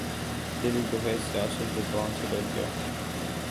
دل ہی تو ہے سیاست درباں سے ڈر گیا